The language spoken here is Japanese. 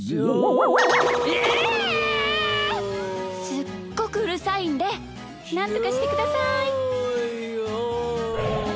すっごくうるさいんでなんとかしてください。